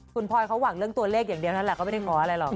คุณพลอยเขาหวังเรื่องตัวเลขอย่างเดียวนั่นแหละก็ไม่ได้ขออะไรหรอก